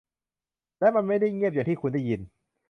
และมันไม่ได้เงียบอย่างที่คุณได้ยิน